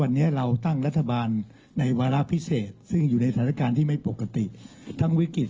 วันนี้เราตั้งรัฐบาลในวาระพิเศษซึ่งอยู่ในสถานการณ์ที่ไม่ปกติทั้งวิกฤต